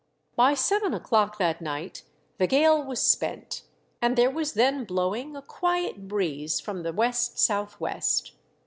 By seven o'clock that night the gale was spent, and there was then blowing a quiet THE GALE BREAKS. 203 breeze from the west south west.